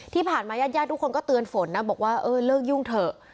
ญาติญาติทุกคนก็เตือนฝนนะบอกว่าเออเลิกยุ่งเถอะ